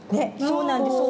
そうなんです。